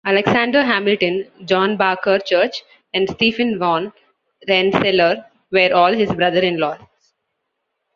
Alexander Hamilton, John Barker Church, and Stephen Van Rensselaer were all his brothers-in-law.